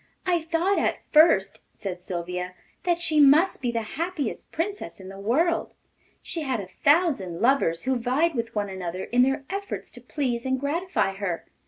'I thought at first,' said Sylvia, 'that she must be the happiest Princess in the world; she had a thousand lovers who vied with one another in their efforts to please and gratify her.